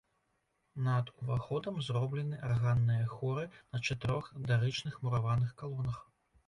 Над уваходам зроблены арганныя хоры на чатырох дарычных мураваных калонах.